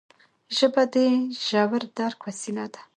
ژبه د ژور درک وسیله ده